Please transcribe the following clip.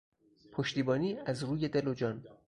پشتیبانی از روی دل و جان